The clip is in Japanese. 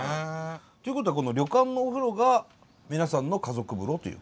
ということはこの旅館のお風呂が皆さんの家族風呂ということ？